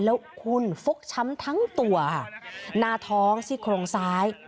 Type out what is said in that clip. แล้วคุณฟกช้ำทั้งตัวค่ะหน้าท้องซี่โครงซ้าย